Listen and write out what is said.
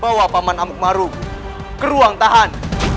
bawa paman amuk maruf ke ruang tahan